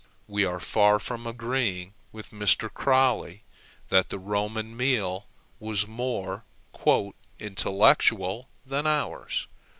We are far from agreeing with Mr. Croly, that the Roman meal was more "intellectual" than ours.